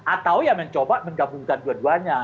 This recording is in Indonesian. atau ya mencoba menggabungkan dua duanya